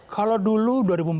kalau dulu dua ribu empat belas